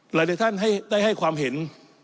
หลายท่านได้ให้ความเห็น